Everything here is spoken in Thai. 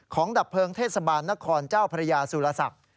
ดับเพลิงเทศบาลนครเจ้าพระยาสุรศักดิ์